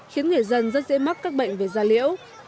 khiến người dân rất dễ mắc các bệnh về da liễu